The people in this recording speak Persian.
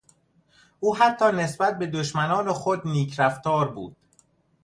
او حتی نسبت به دشمنان خود نیک رفتار بود.